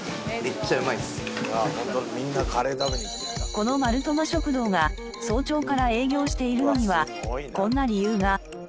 このマルトマ食堂が早朝から営業しているのにはこんな理由が。